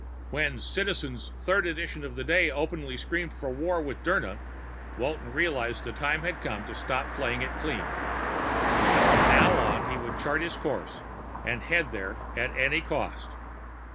When Citizen's third edition of the day openly screamed for war with Dirna, Walton realized the time had come to stop playing it clean. From now on, he would chart his course and head there at any cost.